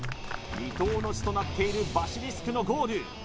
離島の地となっているバシリスクのゴール